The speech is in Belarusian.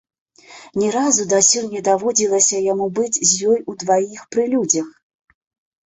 Ні разу дасюль не даводзілася яму быць з ёй удваіх пры людзях.